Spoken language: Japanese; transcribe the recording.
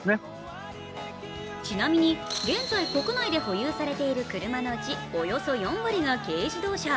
更にちなみに、現在国内で保有されている車のうち、およそ４割が軽自動車。